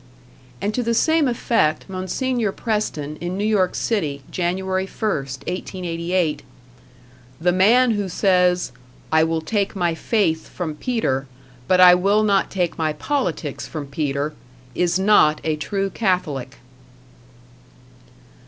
And to the same effect Mgr. Preston, in New York City, Jan, 1, 1888: "The man who says, 'I will take my faith from Peter, but I will not take my politics from Peter,' is not a true Catholic."